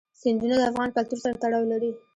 سیندونه د افغان کلتور سره تړاو لري.